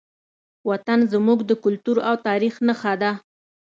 وطن زموږ د کلتور او تاریخ نښه ده.